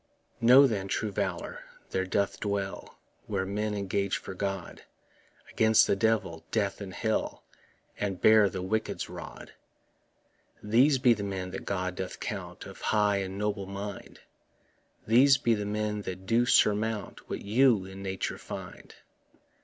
Know, then, true valour there doth dwell Where men engage for God Against the Devil, death and hell, And bear the wicked's rod. These be the men that God doth count Of high and noble mind; These be the men that do surmount What you in nature find.